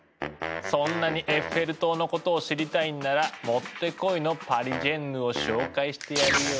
そんなにエッフェル塔のことを知りたいんならもってこいのパリジェンヌを紹介してやるよ。